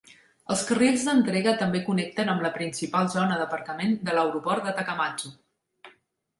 Els carrils d'entrega també connecten amb la principal zona d'aparcament de l'aeroport de Takamatsu.